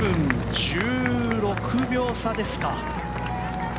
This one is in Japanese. ２分１６秒差ですか。